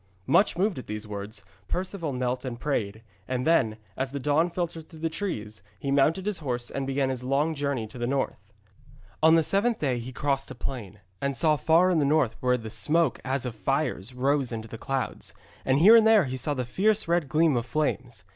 Much moved at these words, Perceval knelt and prayed, and then, as the dawn filtered through the trees, he mounted his horse and began his long journey to the north. On the seventh day he crossed a plain, and saw far in the north where the smoke as of fires rose into the clouds, and here and there he saw the fierce red gleam of flames.